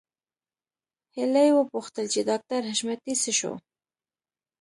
هيلې وپوښتل چې ډاکټر حشمتي څه شو